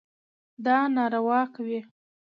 دا ناروا کوي.